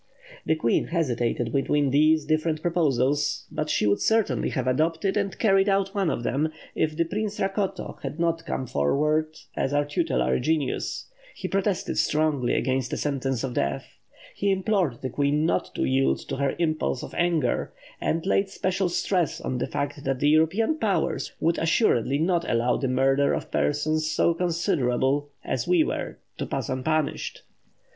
"The Queen hesitated between these different proposals; but she would certainly have adopted and carried out one of them, if the Prince Rakoto had not come forward as our tutelary genius. He protested strongly against a sentence of death. He implored the Queen not to yield to her impulse of anger, and laid special stress on the fact that the European Powers would assuredly not allow the murder of persons so considerable as we were to pass unpunished.